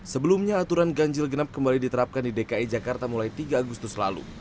sebelumnya aturan ganjil genap kembali diterapkan di dki jakarta mulai tiga agustus lalu